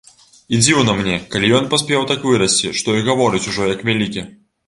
І дзіўна мне, калі ён паспеў так вырасці, што і гаворыць ужо як вялікі.